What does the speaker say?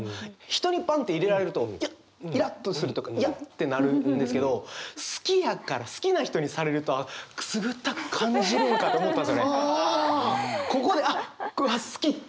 人にバンって入れられるとイラッとするとか嫌ってなるんですけど好きやから好きな人にされるとくすぐったく感じるんかと思ったんですよね。